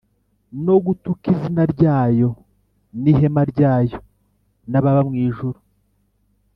no gutuka izina ryayo n’ihema ryayo n’ababa mu ijuru.